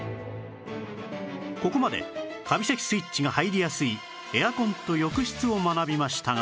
ここまでカビ咳スイッチが入りやすいエアコンと浴室を学びましたが